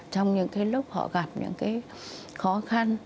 trong những cái lúc họ gặp những cái khó khăn